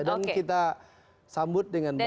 dan kita sambut dengan baik